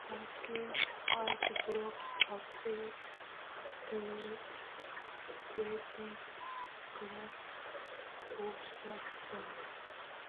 Pakistan has blocked access to websites critical of the government.